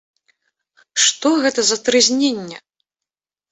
Што гэта за трызненне?